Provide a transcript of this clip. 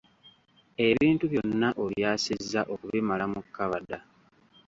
Ebintu byonna obyasizza okubimala mu kkabada.